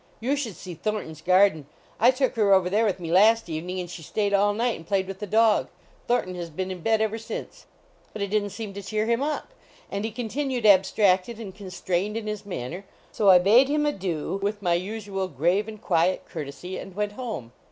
You should see Thornton s garden. I took her over there with me last evening, and she stayed all night and played with the dog. Thornton has been in bed ever since." But it didn t seem to cheer him up, and he continued abstracted and constrained in his manner, so I bade him adieu with my usual grave and quiet courtesy, and went home.